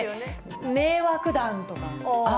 迷惑団とか。